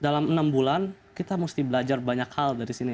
dalam enam bulan kita mesti belajar banyak hal dari sini